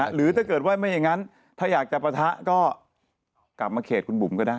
หรือถ้าเกิดว่าไม่อย่างนั้นถ้าอยากจะปะทะก็กลับมาเขตคุณบุ๋มก็ได้